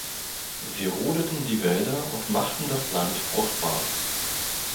Sie rodeten die Wälder und machten das Land fruchtbar.